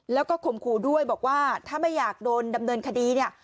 แล้วก็ข่มขู่ด้วยบอกว่าถ้าไม่อยากโดนดำเนินคดีเนี่ย